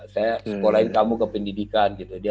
saya sekolahin kamu ke pendidikan gitu